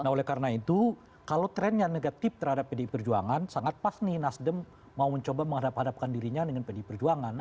nah oleh karena itu kalau trennya negatif terhadap pdi perjuangan sangat pas nih nasdem mau mencoba menghadap hadapkan dirinya dengan pdi perjuangan